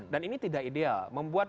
dan ini tidak ideal